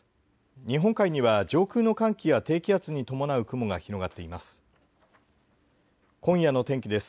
日本海には上空の寒気や低気圧に伴う雲が広がっています。